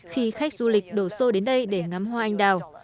khi khách du lịch đổ xô đến đây để ngắm hoa anh đào